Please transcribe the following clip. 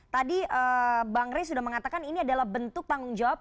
tadi bang rey sudah mengatakan ini adalah bentuk tanggung jawab